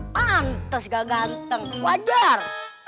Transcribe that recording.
pantes nggak ganteng wadar